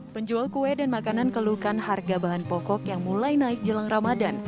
penjual kue dan makanan keluhkan harga bahan pokok yang mulai naik jelang ramadan